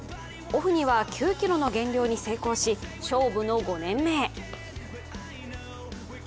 オフには９ｋｇの減量に成功し勝負の５年目へ。